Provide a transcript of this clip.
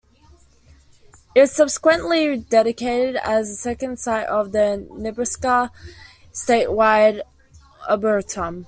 It was subsequently dedicated as the second site of the Nebraska Statewide Arboretum.